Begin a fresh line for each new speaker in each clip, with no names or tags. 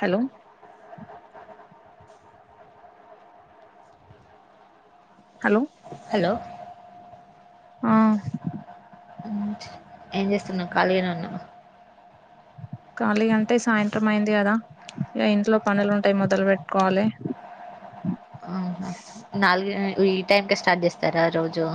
Hello hello
hello
ఆ
ఏం చేస్తున్నా ఖాళీగానేవునావు
ఖాళీ గా అంటే సాయంత్రం అయింది కదా ఇగ ఇంట్లో పనులు ఉంటాయి మొదలు పెట్టుకోవాలి
ఆహా నాలుగు ఈ టైంకే స్టార్ట్ చేస్తారా రోజు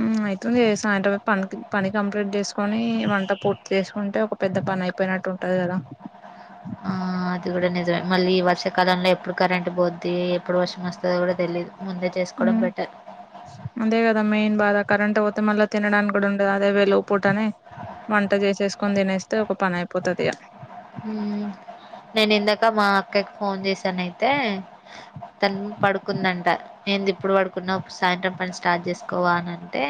ఆ అవుతుంది చేస్తా అంట పనికి పని కంప్లీట్ చేసుకోని వంట పూర్తి చేసుకుంటే ఒక పెద్ద పని అయిపోయిన నట్టు ఉంటది కదా
ఆ ఆ అది కూడా నిజమే మళ్ళీ ఈ వర్షాకాలంలో ఎప్పుడు కరెంట్ పోద్ది ఎప్పుడు వర్షం వస్తుందో కూడా తెలిదు ముందే చేసుకోవడం
మ్మ్
బెటర్
అదే మెయిన్ బాధ కరంట్ పోతే మళ్ళా తినడానికి కూడా ఉండది అదే వె లో పూటనే వంట చేసేసుకొని తినేస్తే ఒక పని అయిపోతుది ఇగ
మ్మ్ నేను ఇందాక మా అక్కకి ఫోన్ చేసాన అయితే తను పడుకుందంట నేంది ఇప్పుడు పడుకున్నా సాయంత్రం పని స్టార్ట్ చేసుకోవా అని అంటే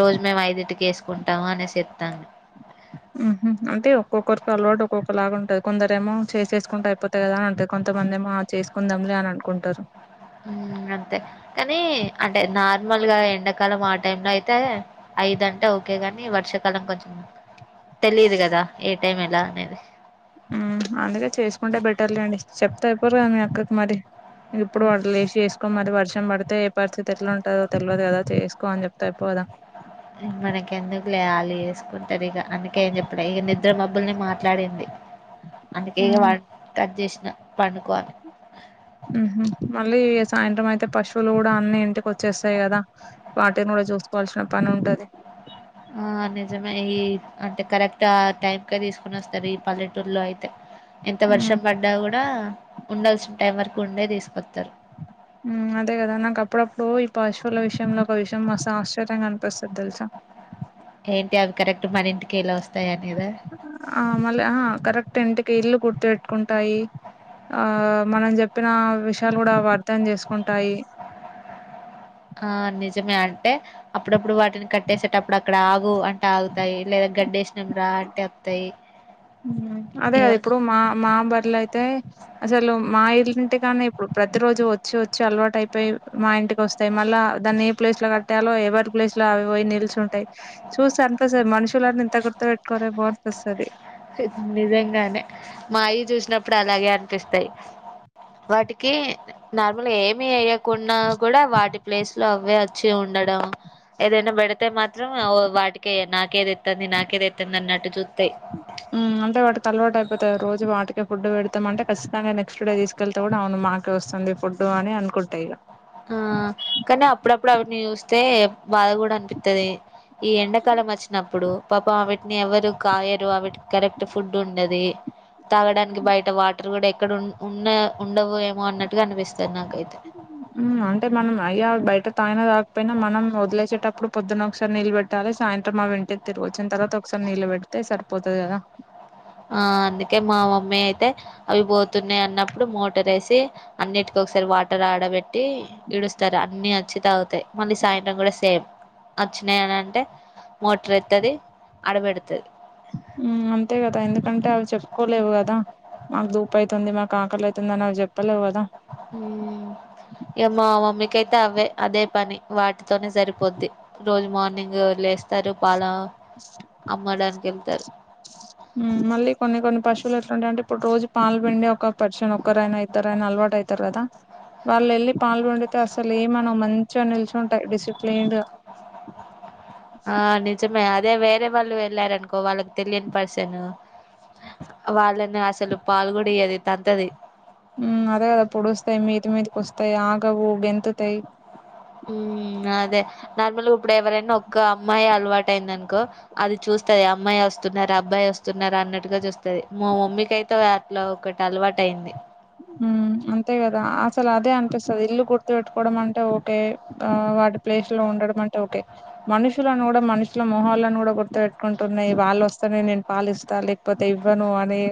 రోజు మేము ఐదింటికి వేసుకుంటాము అనే చెప్తాము
ఉహు అంటే ఒక్కొక్కరికి అలోడ్ ఒక్కొక్కలాగా ఉంటుంది కొందర ఏమో చేసేసుకుంట అయిపోతయి కదా అంటది కొం కొంతమంది ఏమో చేసుకుందాంలే అని అనుకుంటారు
హు అంతే కానీ అంటే నార్మల్ గా ఎండాకాలం ఆ టైం లో అయితే ఐదంటే ఓకేగాని వర్షాకాలం కొంచెం తెలిదు గదా ఏ టైం ఎలా అనేది
అందుకే చేసుకుంటే బెటర్లేండి చెప్తా ఐపోరు కానీ అక్కకి మరి ఇప్పుడు
హ్మ్.
వాలు వేసి చేసుకో మరి వర్షం పడితే ఏ పరిస్థితి ఎట్లా ఉంటదో తెల్వదు కదా చేసుకో అని చెప్తే అయిపోదా
ఇ మనక ఎందుకులే యాల్లు వేసుకుంటరు ఇగ అందుకే ఏం చెప్పడ ఇక నిద్ర మబ్బుల్ని మాట్లాడింది అందుకేేక
ఉమ్
కట్ చేసిన పండుకోవాలి
మళ్ళీ సాయంత్రం అయితే పశువులు కూడా అన్ని ఇంటికి వచ్చేస్తాయి కదా వాటిని కూడా చూసుకోవాలి సిన పని ఉంటది
ఆ నిజమే ఈ అంటే కరెక్ట్ టైంకే తీసుకుని వస్తది ఈ పల్లెటూరులో అయితే ఎంత
ఉమ్
వర్షం పడ్డా కూడా ఉండల్సిన టైం వరకు ఉండే తీసుకొస్తారు
అదే కదా నాకు అప్పుడప్పుడు ఈ పాశువుల విషయంలో ఒక విషయం మస్ ఆశ్చర్యంగా అనిపిస్తది తెలుసా అ
ఏంటి అవి కరెక్ట్ మన ఇంటికిళ్లా వస్తాయని
ఆ మళ్ళీ ఆ కరెక్ట్ ఇంటికి ఇల్లు గుర్తు పెట్టుకుంటాయి ఆ మనం చెప్పిన విషయాలు కూడా అవి అర్థం చేసుకుంటాయి
ఆ నిజమే అంటే అప్పుడప్పుడు వాటిని కట్టేసేటప్పుడు అక్కడ ఆగు అంటే ఆగుతాయి లేదా గడ్డేశినంరా అంటే వత్తయి
అదే ఇప్పుడు మా మాబరి ఇల్ అయితే అసలు మా ఇలుంటి కాన్నే ఇప్పుడు ప్రతి రోజు వచ్చి వచ్చి అలవాటు అయిపోయి మా ఇ ఇంటికి వస్తాయి మళ్ళా దాన్ని ఏ ప్లేస్ లో కట్టాలో ఎవరి ప్లేస్ లో అవి పోయి నిలిచు ఉంటాయి చూస్ మనుషుల నింతా గుర్త పెట్టుకోరే బో పస్తది
నిజంగానే మాయ్య చూసినప్పుడు అలాగే అనిపిస్తాయి వాటికి నార్మల్ ఏమి ఏమి ఎయ్యకుండా కూడా వాటి ప్లేస్ లో అవ అవే వచ్చి ఉండడం ఏదైనా పెడితే మాత్రం వాటికే నాకేది తెత్తంది నాకేది తెత్తంది అన్నట్టు చూత్తయ్
ఉ అంటే వాటి తలవాటు అయిపోతారు రోజు వాటికే ఫుడ్ పెడతాంటే ఖచ్చితంగా నెక్స్ట్ డే తీసుకెళ్తే కూడా అవును మాకే వస్త ది ఫుడ్డు అని అనుకుంటాయిలా
ఆ కానీ అప్పుడప్పుడు అవన్నీ చూస్తే బాధ కూడా అనిపిత్తది ఈ ఎండాకాలం వచ్చినాం ఇప్పుడు పాపం వీటిని ఎవరు కాయరు విటికి కరెక్ట్ ఫుడ్ ఉండది తాగడానికి బయట వాటర్ కూడా ఎక్కడ ఉన్ ఉన్న ఉండవు ఏమో అన్నట్టుగా అనిపిస్తది నాకైతే
అంటే మనం అయ్యా బయట తాగినా తాకపోయినా మనం వదిలేసేటప్పుడు పొద్దున్న ఒకసారి నిలబె పెట్టాలి సాయంత్రం మా వింట తిరుగొచ్చిన తర్వాత ఒకసారి నీళ్ళు పెడితే సరిపోతుది కదా
ఆ అందుకే మా మమ్మీ అయితే అవి పోతున్నాయి అన్నప్పుడు మోటర్ వేసి అన్నిటికో ఒకసారి వాటర్ ఆడబెట్టి ఇడుస్తారు అన్ని అచ్చి తాగుతాయి మళ్ళీ సాయంత్రం కూడా సేమ్ అచ్చినాయి అని అంటే మోటర్ ఎత్తది అడబెడుతది
ఉ అంతే కదా ఎందుకంటే అవి చెప్పుకోలేవు కదా మాకు దూపు అయితుంది మాకు ఆకలి అయితుంది అని అవి చెప్పలేవు కదా
మ్ ఇక మా మమ్మీకైతే అవే అదే పని వాటితోనే సరిపోద్ది. రోజు మార్నింగ్ లేస్తారు పాల అమ్మడానికి వెళ్తారు.
మ్ మళ్ళి కొన్ని కొన్ని పశువులు ఎట్లుంటాయ్ అంటే ఇప్పుడు రోజు పాలు పిండి ఒక పరిశుని ఒకరైనా, ఇద్దరయినా అలవాటు డయితారు అదా వాళ్ల లేల్లి పాలు వండితే అసలు ఏమనవు మంచిగా నిలిచుంటాయి డిసిప్లిన్డ్గా
ఆ నిజమే అదే వేరే వాళ్ళు వెళ్ళారనుకో వాళ్ళకి తెలియన్ పర్సను వాళ్ళని అసలు పాల్గొడియ్యేది తంతది
మ్ అదే కదా పొడుస్తాయి మీది మీదికి వస్తాయి ఆగవు గెంతుతాయి
నాదే నార్మల్గా ఇప్పుడు ఎవరైనా ఒక్క అమ్మాయి అలవాటు అయింది అనుకో అది చూస్తది అమ్మాయి వ స్తున్నారు, అబ్బాయి వస్తున్నారు అన్నట్టుగా చూస్తది. మా మమ్మీకి అయితే అట్ల ఒకటి అలవాటు అయింది.
ఉ అంతే కదా అసలు అదే అనిపిస్తది ఇల్లు గుర్తు పెట్టుకోడం అంటే ఓకే ఆగ అటు ప్లేస్ లో ఉండడం అంటే ఓకే మనుషులను కూడా మనుషుల మోహలను కూడా గుర్తు పెట్టుకుంటున్నాయి వాళ్లు వస్తనే నేను పాలిస్తా లేకపోతే ఇవ్వను అని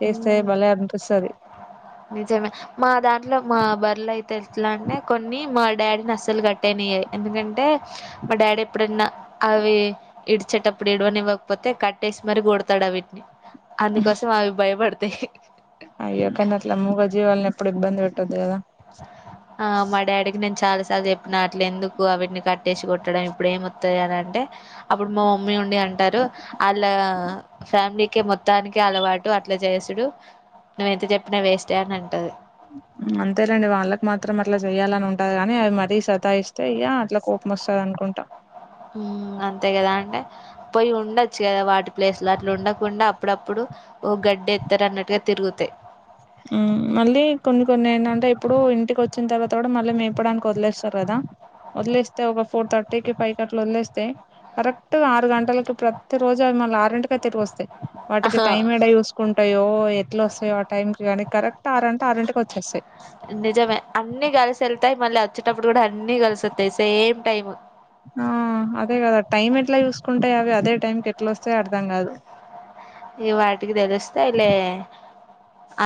చేస్తే భలే అనిపిస్తది.
నిజమే మా దాంట్లో మా బర్రలు అయితే ఎట్లా అన్నే కొన్ని మా డాడీని అస్సలు కట్టేనియ్యయి. ఎందుకంటే మా డాడీ ఎప్పుడన్నా అవి ఇడిచేటప్పుడు ఇడవనివ్వకపోతే కట్టే సి మరి కొడతాడా వీటిని అందుకోసం అవి భయపడతాయి.
అయ్యో కానీ అట్ల మూగ జీవాలని ఎప్పుడు ఇబ్బంది పెట్టొద్దు కదా
ఆ డాడీ కి నిన్ చాలా సార్లు చెప్పిన అట్లు ఎందుకు అవీటిని కట్టేసి కొట్టడం ఇప్పుడు ఏమొత్తది అని అంటే అప్పుడు మా మమ్మీ నుండి అంటారు ఆళ్ళ ఫ్యామిలీకి మొత్తానికి అలవాటు అట్లా చేసుడు నువ్వ ఎంత చెప్పినా వేస్టే అని అంటది.
అంతేలేండి వాళ్ళకి మాత్రం అట్లా చెయ్యాలని ఉంటాది కాని అవి మరీ సతాయిస్తే ఇగ అట్లా కోపం వస్స క అనుకుంటా
మ్ అంతే కదా అంటే పోయి ఉండచ్చు కదా వాటి ప్లేసులు అట్ల ఉండకుండా అప్పుడప్పుడు ఓ గడ్డి ఎత్తారు అన్నట్టుగా తిరుగుతాయి.
మ్ మళ్ళీ కొన్ని కొన్ని ఏంటంటే ఇప్పుడు ఇంటికి వచ్చిన తర్వాత కూడా మళ్ళీ మేపడానికి వదిలేస్తారు కదా వదిలేస్తే ఒక ఫోర్ థర్టీకిి పైకి అట్లు వదిలేస్తే కరెక్ట్ ఆరు గంటలకి ప్రతి రోజు అవి మల్ల ఆరింటికె తిరిగి వస్తాయి. వాటికి
ఆహా
టైం ఎడ చూసుకుంటాయో, ఎట్లా వస్తాయో ఆ టైం కానీ కరెక్ట్ ఆరుంట ఆరుంటికి వచ్చేస్తాయి.
నిజమే అన్ని కలిసి వెళ్తాయి, మళ్ళీ వచ్చేటప్పుడు కూడా అన్ని కలిసోత్తాయి సేమ్ టైమ్
ఆ అదే గదా టైం ఎట్లా చూసుకుంటాయి అవి అదే టైంకి ఎట్లా వస్
ఈ వాటికి తెలుస్తాయిలే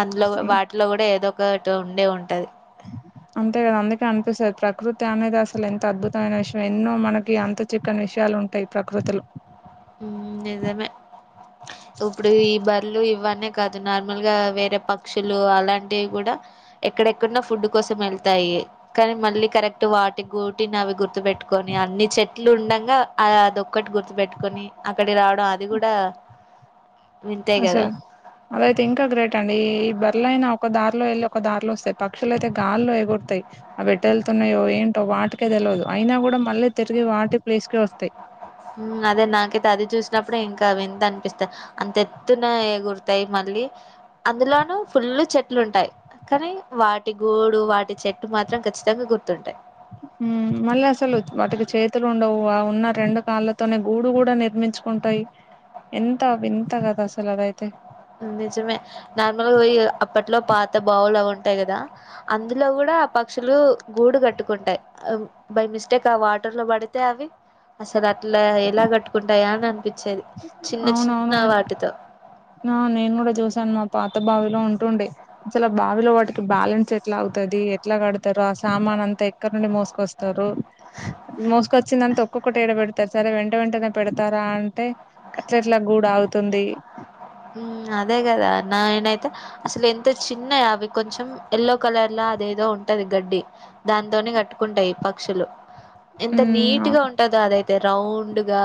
అందులో
హ్మ్.
వాటిలో కూడా ఏదో ఒకటి ఉండే ఉంటది.
ఉహుహ్ అంతే కదా అందుకే అనిపిస్తది. ప్రకృతి అనేది అసలు ఎంత అద్భుతమైన విషయం ఎన్నో మనకి అంత చిక్కని విషయం చాలు ఉంటాయి ప్రకృతిలో
మ్ నిజమే ఇప్పుడువి ఈ బర్లు ఇవ్వం నే కాదు నార్మల్ గా వేరే పక్షులు అలాంటివి కూడా ఎక్కడెక్కడనో ఫుడ్ కోసం వెళ్తాయి. డి కానీ మళ్ళీ కరెక్ట్ వాటి గూటిని అవి గుర్తు పెట్టుకుని అన్ని చెట్లు ఉండగా నాదొక్కటి గుర్తు పెట్టుకుని అక్కడి రావడం అది కూడా వింతే కదా
అసలు అదయితే ఇంకా గ్రేట్ అండి ఈ బరలయినా ఒక దారి లో వెళ్లి ఒక దారిలో వస్తాయి పక్షులు అయితే గాల్లో ఎగురుతాయి. ఆవి ఎటుళ్తున్నాయో, ఏంటో వాటికే తెలివదు. అయినా కూడా మళ్ళీ తిరిగి వాటి ప్లేస్ కే వస్తాయి
అదే నాకైతే అది చూసినప్పుడుే ఇంకావి వింత అనిపిస్తాయి అంత ఎత్తున ఎగురతాయి మ అందులోనూ ఫుల్ చెట్లు ఉంటాయి కానీ వాటి గోడు వాటి చెట్టు మాత్రం మాత్రం ఖచ్చితంగా గుర్తుంటాయి
మళ్ళీ అసలు వాటికి చేతులు ఉండవు ఉన్న రెండు కాళ్ళతోనే గూడు కూడా నిర్మించుకు ఉంటాయి ఎంత వింత కదా అసలు అదైతే
నిజమే నార్మల్గా పో అప్పట్లో పాత బావులు అవి ఉంటాయి కదా అందులో కూడా పక్షులు గూడు కట్టుకుంటాయి బై మిస్టేక్ ఆ వాటర్ లో పడితే అవి అసలు అట్లా ఎలా కట్టుకుంటాయా అని అనిపించేది చిన్న చిన్న
అవునవును
వాటితో
ఆ నేను కూడా చూసాను మా పాత బావిలో ఉంటుండే అసలు ఆ బావిలో వాటికి బ్యాలెన్స్ ఎట్లా అగుతుది ఎట్లా కడతారు ఆ సామాన్ అంతా ఎక్కడ నుండి మోసుకొస్తారు మోసుకొచ్చిందంతా ఒక్కొక్కటి ఎడబెడతారు సరే వెంట వెంటనే పెడతారా అంటే అట్ల ఎట్లా గూడ ఆగుతుంది
అదే కదా నేనైతే అసలు ఎంత చిన్నయ అవి కొంచెం యెల్లో కలర్లా అదేదో ఉంటది గడ్డి దాంతోనే కట్టుకుంటాయి పక్షులు ఎంత
ఉమ్ అవు
నీట్గా ఉంటందో అదైతే రౌండ్గా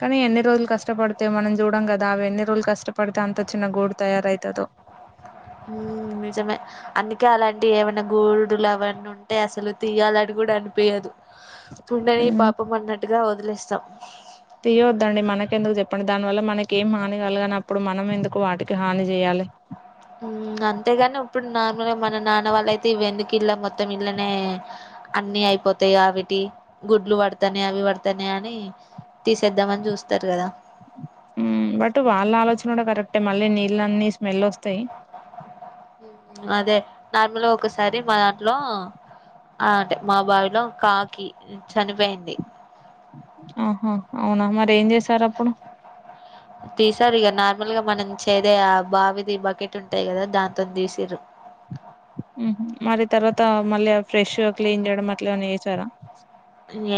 కానీ ఎన్ని రోజులు కష్టపడితే మనం చూడం కదా అవి ఎన్ని రోజులు కష్టపడితే అంత చిన్న గోడు తయారవుతదో
నిజమే అందుకే అలాంటివి ఏమైనా గూడులు అవన్నీ ఉంటే అసలు తీయాలి అని కూడా అనిపోయదు ఉండని పాపం అన్నట్టుగా వదిలేస్తాం
తీయవద్దండి మనక ఎందుకు చెప్పండి దానివల్ల మనకి ఏం హాని కలగన అప్పుడు మనం ఎందుకు వాటికి హాని చేయాలి లే
అంతేగాని ఇప్పుడు నార్మల్గా మన నాన్న వాళ్ళయితే ఈ వెనక ఇల్ళ మొత్తం ఇల్లనే అన్నిీ అయిపోతాయి అవిటి గుడ్లు పడతానే అవి పడతానే అని తీసేద్దామని చూస్తారు కదా
బట్ వాళ్ళ ఆలోచన కూడా కరెక్టే మళ్ళీ నీళ్ళ అన్నిీ స్మెల్ వస్తాయి
ఉమ్, అదే నార్మల్ ఒకసారి మా దాంట్లో ఆ అంటే మా బావిలో కాకి చనిపోయింది
ఆహా అవునా మరి ఏం చేసారు అప్పుడు
తీసారిగా నా నార్మల్ గా మనం చేదే ఆ బావిది బకెట్ ఉంటాయి కదా దాంతో తీసిరు
మరి తర్వాత మళ్ళీ ఫ్రెష్ క్లీన్ చేయడం అట్లా ఏమన్న చేసారా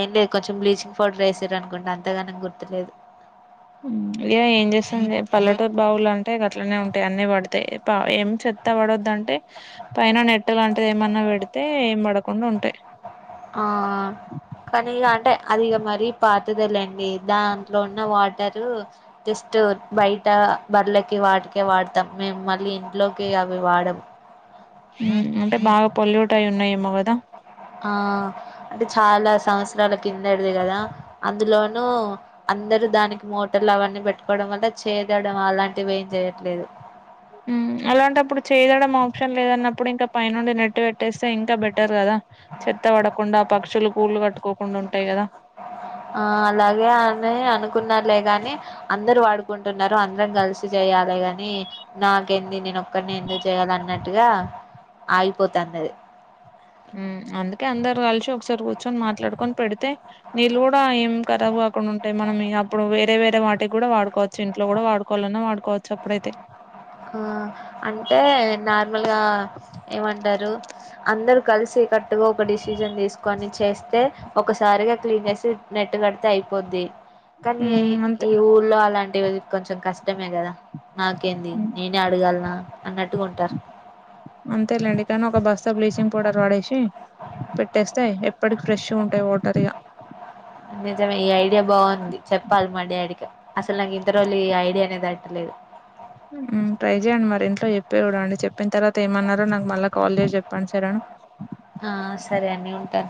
ఏం లేదు కొంచెం బ్లీచింగ్ పౌడర్ వేసారు అనుకుంటే అంతగాని గుర్తులేదు
ఇక ఏం చేస్తాంది పల్లెటూ బావులు అంటే అట్లనే ఉంటాయి అన్నిీ పడతాయి ఏం ఎత్త పడొద్దంటే పైన నెట్ లాంటిది ఏమన్నా పెడితే ఏం పడకుండా ఉంటాయి
ఆ కానీ ఇగ అంటే అది మరీ పాత తె లేండి దాంట్లో ఉన్న వాటరు జస్ట్ బయ్ బర్లకి వాటికే వాడతాం మేము మళ్ళీ ఇంట్లోకి అవి వాడము
అంటే బాగా పొల్యూట్ అయి ఉన్నాయేమో కదా
ఆ అంటే చాలా సంవత్సరాల కిందడిది కదా అందులోనూ అందరుూ దానికి మోటార్లు అవన్నీ పెట్టుకోవడం వల్ల చేదడం అలాంటివి ఏం చేయట్లేదు
హ అలాంట అప్పుడు చేయదడం ఆప్షన్ లేద్ అన్నప్పుడు ఇంకా పైనుండి నెట్టు పెట్టేస్తే ఇంకా బెటర్ కదా చెత్త పడకుండా పక్షులు కూళ్ళు కట్టుకోకుండా ఉంటాయి కదా
ఆ అలాగే అని అనుకున్నారులే కాని అందరుూ వాడుకుంటున్నారు అందరం కలిసి చేయాలి గాని నాకెంది నేను ఒక్కడిని ఎందుకు చేయాలి అన్నట్టుగా ఆగిపోతన్నది
ఉమ్ అందుకే అందరు కలిసి ఒకసారి కూర్చొని మాట్లాడుకొని పెడితే నీళ్ళ కూడా ఏం కరబ్ కుండా ఉంటాయి మనం అప్పుడు వేరే వేరే వాటికి కూడా వాడుకోవచ్చు ఇంట్లో కూడా వాడుకోవాలన్నా వాడుకోవచ్చు అప్పుడైతే
ఆ అంటే నార్మల్గా ఏమంటారు అందరు కలిసి కట్టుగా ఒక డిసిజన్ తీసుకొని చేస్తే ఒకసారిగా క్లీన్ చేసి నెట్టుగడితే అయిపోద్ది కానీ
హ్మ్ అంతే
ఈ ఊళ్ళో అలాంటివి కొంచెం కష్టమే కదా నాకేం
హ్మ్
నేనే అడగాలనా అన్నట్టుగుంటారు
అంతేలేండి కానీ ఒక బస్తా బ్లీచింగ్ పౌడర్ వాడేసి పెట్టేస్తే ఎప్పటికి ఫ్రెష్ ఉంటాయి వాటరిగా
నిజమే ఈ ఐడియా బాగుంది చెప్పాలి మా డాడికి అసలు నాకు ఇంత రోళ్ళు ఈ ఐడియా అనేది తట్టలేదు
ట్రై చేయండి మరి ఇంట్లో చెప్పే చూడం అండి చెప్ప చెప్పిన తర్వాత ఏమన్నారో నాకు మళ్ళా కాల్ చేసి చెప్పండి సరేన
న్యూటన్